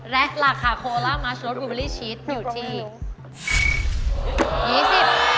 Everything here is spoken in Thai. และราคาโคล่ามัชโลวซดูเบลอริชีคอยู่ที่๒๐บาท